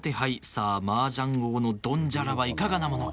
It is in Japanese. さあマージャン王のドンジャラはいかがなものか？